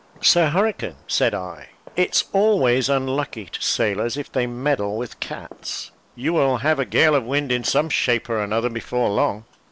"Sir Hurricane," said I, "it's always unlucky to sailors, if they meddle with cats. You will have a gale of wind, in some shape or another, before long."